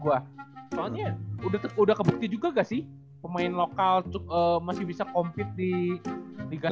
wah soalnya udah kebukti juga gak sih pemain lokal masih bisa compete di liga satu